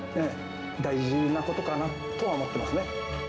大事なことかなとは思ってますね。